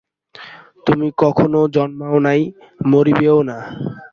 তুমি কখনও জন্মাও নাই, মরিবেও না।